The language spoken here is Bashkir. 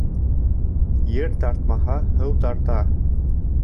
Ер тартмаһа, һыу тарта.